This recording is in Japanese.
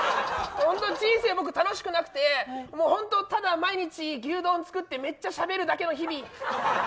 人生楽しくなくてただ毎日牛丼作ってめっちゃしゃべるだけの日々。